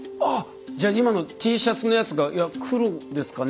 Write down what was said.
じゃあ今のＴシャツのやつが「いや黒ですかね」